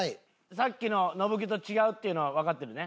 さっきの乃ブ木と違うっていうのはわかってるね？